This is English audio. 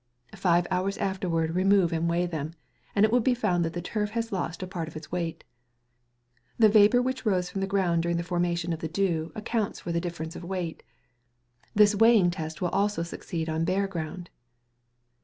Five hours afterwards remove and weigh them, and it will be found that the turf has lost a part of its weight. The vapour which rose from the ground during the formation of the dew accounts for the difference of weight. This weighing test will also succeed on bare ground.